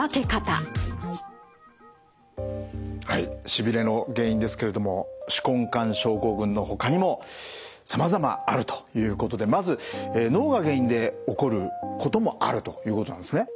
しびれの原因ですけれども手根管症候群のほかにもさまざまあるということでまず脳が原因で起こることもあるということなんですね？